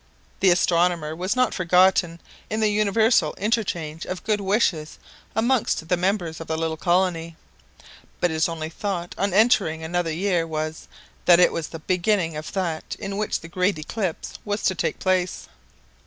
The astronomer was not forgotten in the universal interchange of good wishes amongst the members of the little colony; but his only thought on entering another year was, that it was the beginning of that in which the great eclipse was to take place.